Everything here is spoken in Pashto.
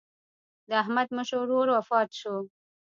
د احمد مشر ورور وفات شو.